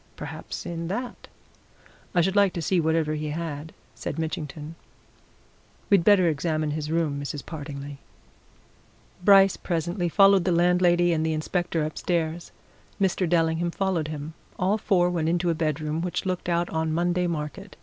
Perhaps in that " "I should like to see whatever he had," said Mitchington. "We'd better examine his room, Mrs. Partingley." Bryce presently followed the landlady and the inspector upstairs Mr. Dellingham followed him. All four went into a bedroom which looked out on Monday Market.